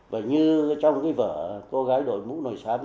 và như trong cái vở cô gái đội ngũ nổi xám